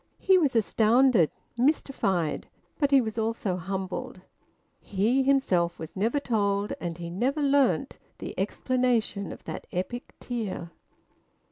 He was astounded, mystified; but he was also humbled. He himself was never told, and he never learnt, the explanation of that epic tear.